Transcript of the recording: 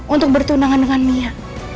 untuk bertunangan dengan mia